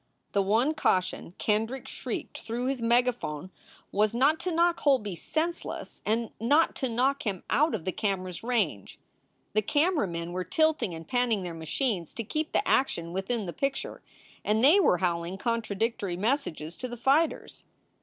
The one caution Kendrick shrieked through his mega 3 i2 SOULS FOR SALE phone was not to knock Holby senseless and not to knock him out of the camera s range. The camera men were tilting and panning their machines to keep the action within the picture, and they were howl ing contradictory messages to the fighters.